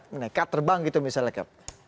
mene kak terbang gitu misalnya